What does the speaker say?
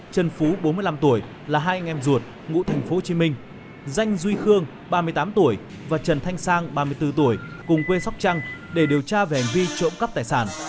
trần phú bốn mươi năm tuổi là hai anh em ruột ngũ thành phố hồ chí minh danh duy khương ba mươi tám tuổi và trần thanh sang ba mươi bốn tuổi cùng quê sóc trăng để điều tra về hành vi trộm cắp tài sản